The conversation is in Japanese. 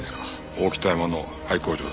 大北山の廃工場だ。